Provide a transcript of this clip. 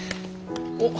おっ。